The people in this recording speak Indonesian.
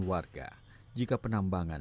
warga jika penambangan